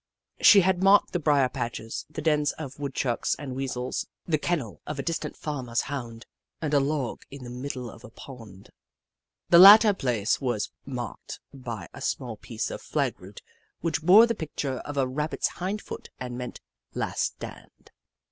She had marked the brier patches, the dens of Woodchucks and Weasels, the kennel of a distant farmer's Hound, and a log in the middle of a pond. This latter place was marked by a small piece of flag root which bore the picture of a Jenny Ragtail 179 Rabbit's hind foot, and meant " Last Stand."